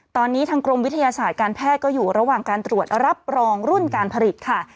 ตอนนี้ทางกรมวิทยาศาสตร์การแพทย์ก็อยู่ระหว่างการตรวจรับรองรุ่นการผลิตค่ะ